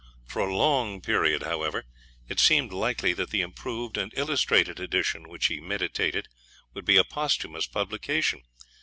For a long period, however, it seemed likely that the improved and illustrated edition which he meditated would be a posthumous publication.